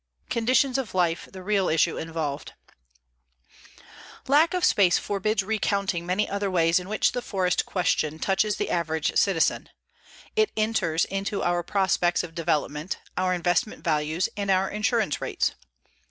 CONDITIONS OF LIFE THE REAL ISSUE INVOLVED Lack of space forbids recounting many other ways in which the forest question touches the average citizen. It enters into our prospects of development, our investment values and our insurance rates.